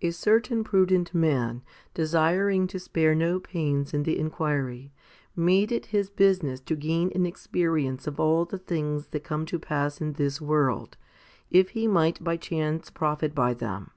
4. A certain prudent man, 1 desiring to spare no pains in the inquiry, made it his business to gain an experience of all the things that come to pass in this world, if he might by chance profit by them.